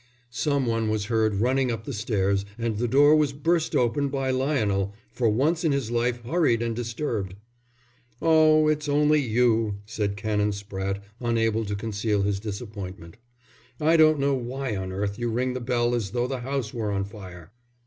Some one was heard running up the stairs and the door was burst open by Lionel, for once in his life hurried and disturbed. "Oh, it's only you!" said Canon Spratte, unable to conceal his disappointment. "I don't know why on earth you ring the bell as though the house were on fire."